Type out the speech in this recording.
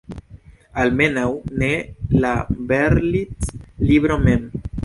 Almenaŭ ne la Berlitz-libro mem.